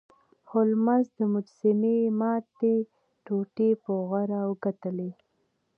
هولمز د مجسمې ماتې ټوټې په غور وکتلې.